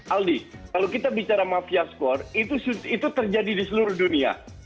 aldi kalau kita bicara mafia skor itu terjadi di seluruh dunia